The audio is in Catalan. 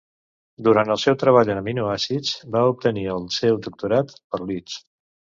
Durant el seu treball en aminoàcids va obtenir el seu doctorat per Leeds.